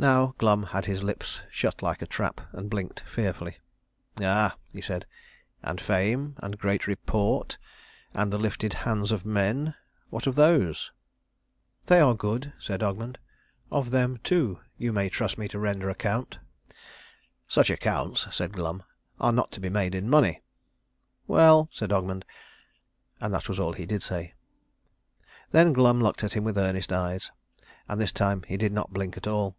Now Glum had his lips shut like a trap, and blinked fearfully. "Ah," he said, "and fame, and great report, and the lifted hands of men what of those?" "They are good," said Ogmund. "Of them, too, you may trust me to render account." "Such accounts," said Glum, "are not to be made in money." "Well," said Ogmund. And that was all he did say. Then Glum looked at him with earnest eyes; and this time he did not blink at all.